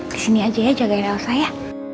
disini aja ya jagain elsa ya